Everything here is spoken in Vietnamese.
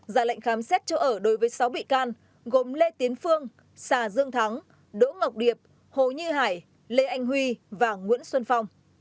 già lệnh khám xét chỗ ở đối với sáu bị can gồm lê tiến phương xà dương thắng đỗ ngọc điệp hồ như hải lê anh huy và nguyễn xuân phong